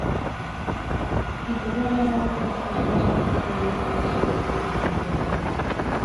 Iturri horien arabera, irakasleak uko egin zion institututik irteteari.